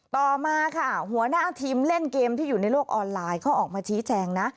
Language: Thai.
ต่อมาค่ะหัวหน้าทีมเล่นเกมที่อยู่ในโลกออนไลน์เขาออกมาชี้แจงนะ